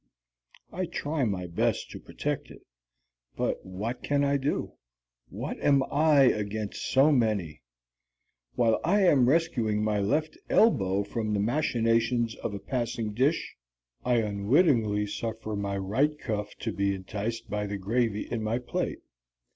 I try my best to protect it but what can I do? What am I against so many? While I am rescuing my left elbow from the machinations of a passing dish, I unwittingly suffer my right cuff to be enticed by the gravy in my plate.